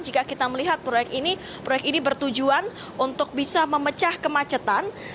jika kita melihat proyek ini proyek ini bertujuan untuk bisa memecah kemacetan